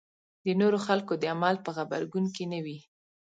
د نورو خلکو د عمل په غبرګون کې نه وي.